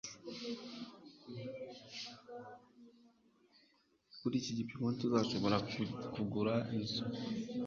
Kuri iki gipimo, ntituzashobora kugura inzu.